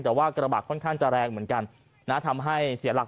แต่ว่ากระบะค่อนข้างจะแรงเหมือนกันนะทำให้เสียหลัก